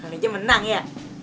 kalo aja menang ya